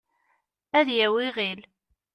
ad yawi iɣil